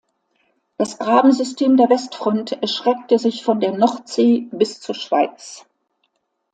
Das Grabensystem der Westfront erstreckte sich von der Nordsee bis zur Schweiz.